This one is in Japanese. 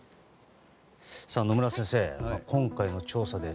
野村先生、今回の調査で